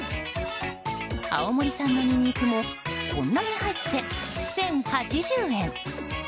青森産のニンニクもこんなに入って１０８０円。